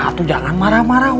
udah jangan marah marah